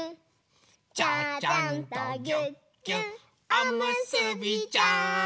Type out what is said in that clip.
「ちゃちゃんとぎゅっぎゅっおむすびちゃん」